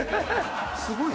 すごいね。